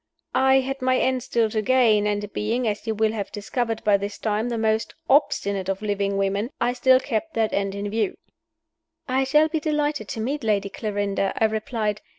I had my end still to gain; and, being (as you will have discovered by this time) the most obstinate of living women, I still kept that end in view. "I shall be delighted to meet Lady Clarinda," I replied.